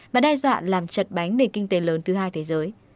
và đe dọa làm chật bánh nền kinh tế lớn thứ hai thế giới